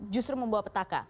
justru membawa petaka